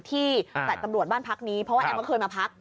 แฟลต์ตำรวจบ้านพักนี้เพราะว่าแอมก็เคยมาพัก